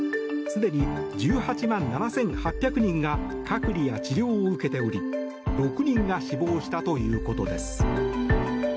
すでに１８万７８００人が隔離や治療を受けており６人が死亡したということです。